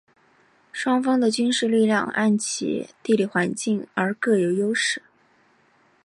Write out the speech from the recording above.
双方的军事力量按其地理环境而各有优势。